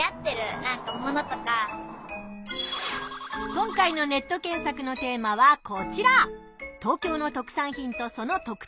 今回のネット検索のテーマはこちら！